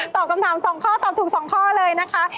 ตอบคำถาม๒ข้อตอบถูก๒ข้อเลยนะคะ